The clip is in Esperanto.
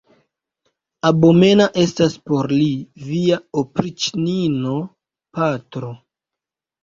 Abomena estas por li via opriĉnino, patro!